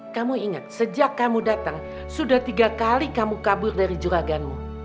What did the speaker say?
kamu ingat sejak kamu datang sudah tiga kali kamu kabur dari juraganmu